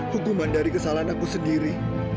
hukuman dari kesalahan aku sendiri